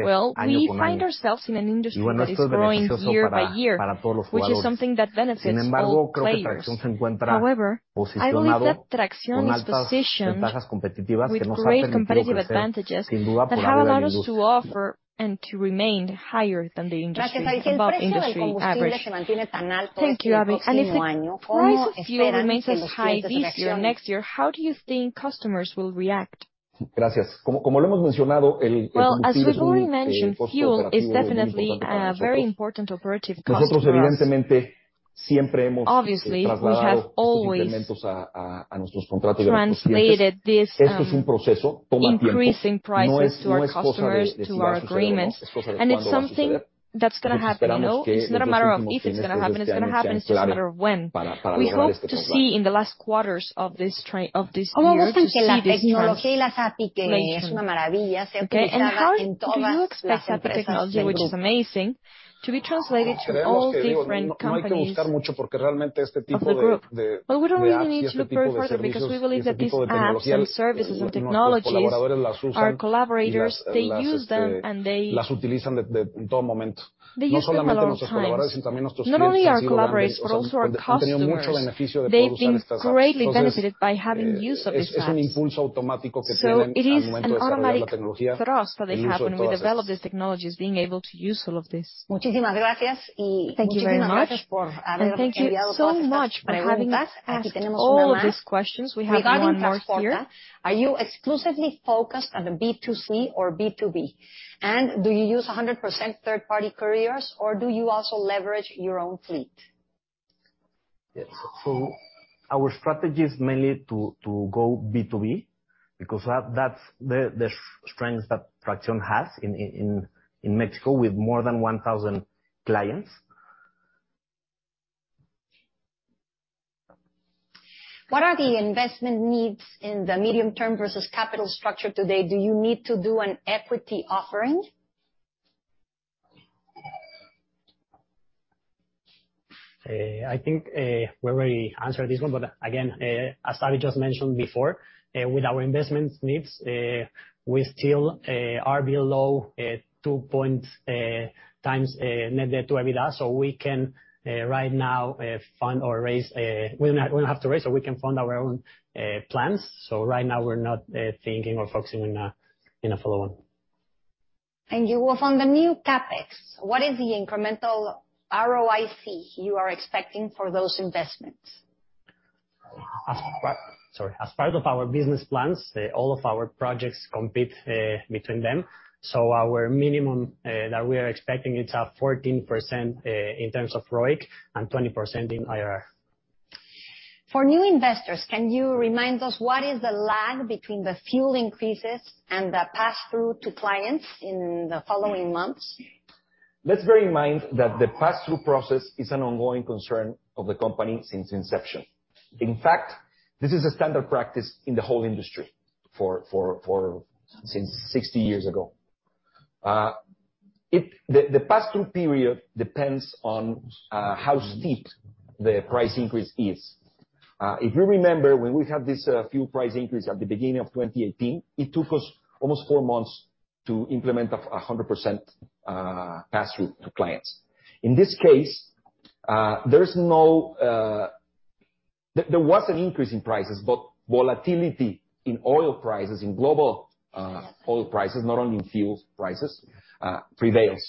[SPEAKER 3] Well, we find ourselves in an industry that is growing year by year, which is something that benefits all players. However, I believe that TRAXION is positioned with great competitive advantages that have allowed us to offer and to remain higher than the industry, above industry average.
[SPEAKER 2] Thank you, Aby. If the price of fuel remains as high this year, next year, how do you think customers will react?
[SPEAKER 3] Well, as we've already mentioned, fuel is definitely a very important operating cost for us. Obviously, we have always translated this increasing prices to our customers, to our agreements, and it's something that's gonna happen, you know? It's not a matter of if it's gonna happen, it's gonna happen, it's just a matter of when. We hope to see in the last quarters of this year to see these trends mentioned.
[SPEAKER 2] Okay. How do you expect that the technology, which is amazing, to be translated to all different companies of the group?
[SPEAKER 3] Well, we don't really need to look further because we believe that these apps and services and technologies, our collaborators, they use them, and they use them at all times. Not only our collaborators, but also our customers, they've been greatly benefited by having use of these apps. It is an automatic trust that they have when we develop these technologies, being able to use all of this.
[SPEAKER 2] Thank you very much. Thank you so much for having us. Asking all of these questions. We have one more here. Regarding Traxporta, are you exclusively focused on the B2C or B2B? And do you use 100% third-party couriers or do you also leverage your own fleet?
[SPEAKER 5] Yes. Our strategy is mainly to go B2B because that's the strength that TRAXION has in Mexico with more than 1,000 clients.
[SPEAKER 2] What are the investment needs in the medium term versus capital structure today? Do you need to do an equity offering?
[SPEAKER 5] I think we already answered this one, but again, as Aby just mentioned before, with our investment needs, we still are below 2x net debt to EBITDA. We can right now fund or raise. We don't have to raise so we can fund our own plans. Right now we're not thinking or focusing on in a follow-on.
[SPEAKER 2] You will fund the new CapEx. What is the incremental ROIC you are expecting for those investments?
[SPEAKER 5] As part of our business plans, all of our projects compete between them. Our minimum that we are expecting is 14% in terms of ROIC and 20% in IRR.
[SPEAKER 2] For new investors, can you remind us what is the lag between the fuel increases and the passthrough to clients in the following months?
[SPEAKER 6] Let's bear in mind that the pass-through process is an ongoing concern of the company since inception. In fact, this is a standard practice in the whole industry for 60 years ago. The pass-through period depends on how steep the price increase is. If you remember when we had this fuel price increase at the beginning of 2018, it took us almost four months to implement 100% pass-through to clients. In this case, there was an increase in prices, but volatility in oil prices, in global oil prices, not only in fuel prices, prevails.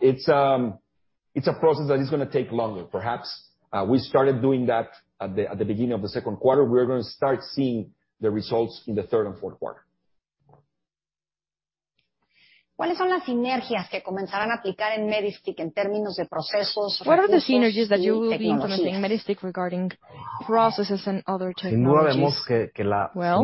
[SPEAKER 6] It's a process that is gonna take longer perhaps. We started doing that at the beginning of the second quarter. We are gonna start seeing the results in the third and fourth quarter.
[SPEAKER 2] What are the synergies that you will be implementing in Medistik regarding processes and other technologies?
[SPEAKER 3] Well,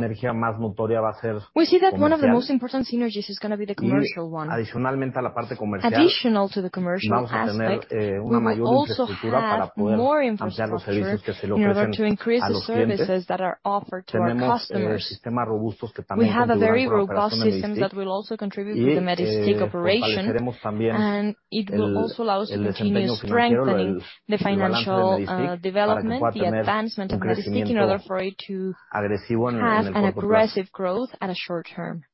[SPEAKER 3] we see that one of the most important synergies is gonna be the commercial one. Additional to the commercial aspect, we will also have more infrastructure in order to increase the services that are offered to our customers. We have a very robust system that will also contribute to the Medistik operation, and it will also allow us to continue strengthening the financial development, the advancement of Medistik in order for it to have an aggressive growth at a short term.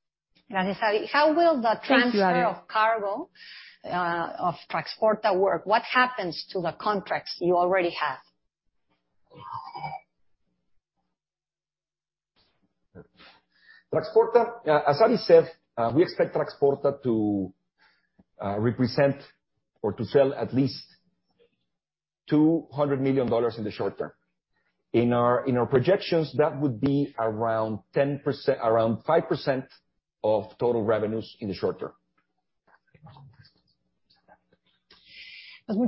[SPEAKER 2] Gracias. How will the transfer.
[SPEAKER 6] Thank you, Aby.
[SPEAKER 2] Of cargo, of Traxporta work? What happens to the contracts you already have?
[SPEAKER 6] Traxporta, as Aby said, we expect Traxporta to represent or to sell at least $200 million in the short term. In our projections, that would be around 5% of total revenues in the short term.
[SPEAKER 2] All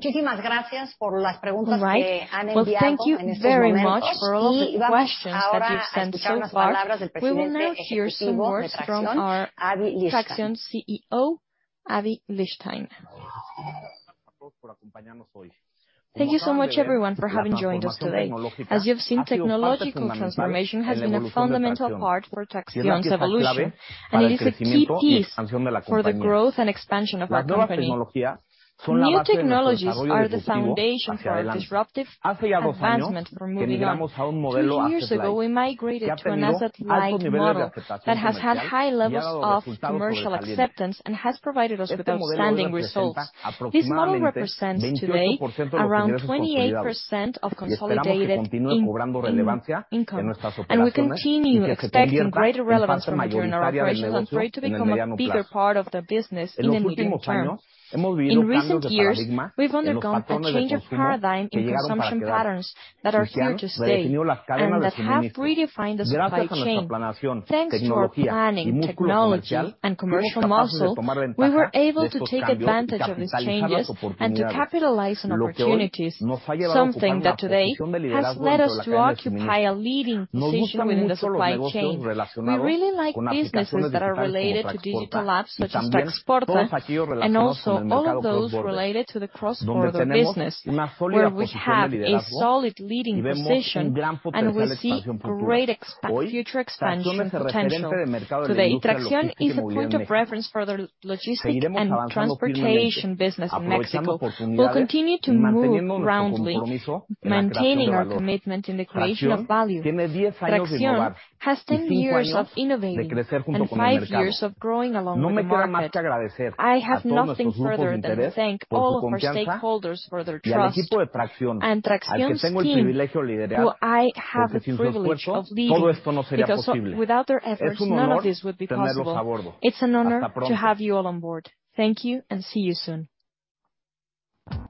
[SPEAKER 2] right. Well, thank you very much for all of the questions that you've sent so far. We will now hear some words from our TRAXION CEO, Aby Lijtszain.
[SPEAKER 3] Thank you so much, everyone, for having joined us today. As you have seen, technological transformation has been a fundamental part for TRAXION's evolution, and it is a key piece for the growth and expansion of our company. New technologies are the foundation for a disruptive advancement for moving items. Two years ago, we migrated to an asset-light model that has had high levels of commercial acceptance and has provided us with outstanding results. This model represents today around 28% of consolidated income. We continue expecting greater relevance for it in our operations, ready to become a bigger part of the business in the medium term. In recent years, we've undergone a change of paradigm in consumption patterns that are here to stay and that have redefined the supply chain. Thanks to our planning, technology, and commercial muscle, we were able to take advantage of these changes and to capitalize on opportunities, something that today has led us to occupy a leading position within the supply chain. We really like businesses that are related to digital apps such as Traxporta and also all of those related to the cross-border business where we have a solid leading position and receive great future expansion potential. Today, TRAXION is a point of reference for the logistics and transportation business in Mexico. We'll continue to move roundly, maintaining our commitment in the creation of value. TRAXION has 10 years of innovating and five years of growing along with the market. I have nothing further than to thank all of our stakeholders for their trust and TRAXION's team, who I have the privilege of leading, because without their efforts, none of this would be possible. It's an honor to have you all on board. Thank you, and see you soon.